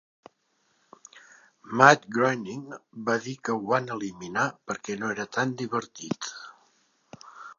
Matt Groening va dir que ho van eliminar perquè "no era tan divertit".